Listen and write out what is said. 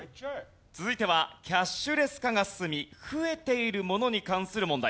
続いてはキャッシュレス化が進み増えているものに関する問題。